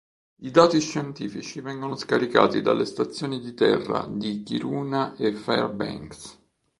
I dati scientifici vengono scaricati dalle stazioni di terra di Kiruna e Fairbanks.